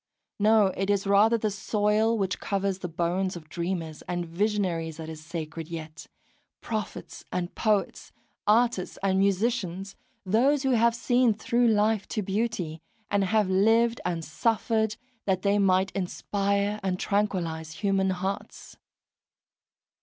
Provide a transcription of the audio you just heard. No, it is rather the soil which covers the bones of dreamers and visionaries that is sacred yet, prophets and poets, artists and musicians, those who have seen through life to beauty, and have lived and suffered that they might inspire and tranquillise human hearts.